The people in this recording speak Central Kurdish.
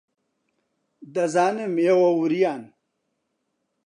دەزانم ئێوە وریان.